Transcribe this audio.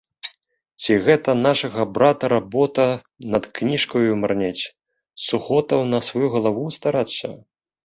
Ці гэта нашага брата работа над кніжкаю марнець, сухотаў на сваю галаву старацца?!